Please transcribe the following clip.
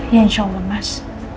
ya insya allah mas